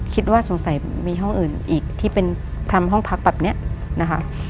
คิดว่าสงสัยมีห้องอื่นอีกที่เป็นทำห้องพักแบบนี้นะคะ